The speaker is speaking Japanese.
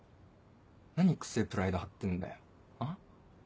何くせぇプライド張ってんだよあ？